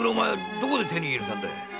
どこで手に入れたんだい？